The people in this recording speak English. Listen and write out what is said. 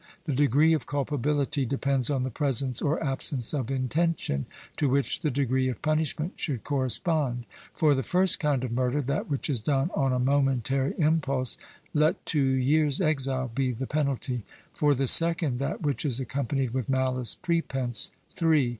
The degree of culpability depends on the presence or absence of intention, to which the degree of punishment should correspond. For the first kind of murder, that which is done on a momentary impulse, let two years' exile be the penalty; for the second, that which is accompanied with malice prepense, three.